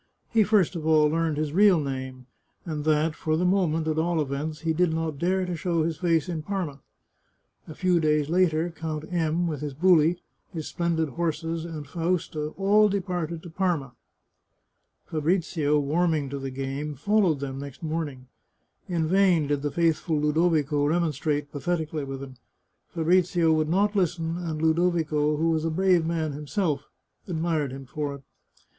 He first of all learned his real name, and that, for the moment, at all events, he did not dare to show his face in Parma. A few days later Count M , with his buli, his splendid horses, and Fausta, all departed to Parma. Fabrizio, warming to the game, followed them next morning. In vain did the faithful Ludovico remonstrate pathetically with him. Fabrizio would not listen, and Ludo vico, who was a brave man himself, admired him for it.